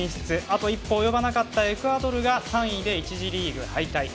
あと一歩及ばなかったエクアドルが３位で１次リーグ敗退。